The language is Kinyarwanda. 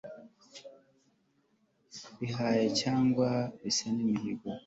bihaye cyangwa besa imihigo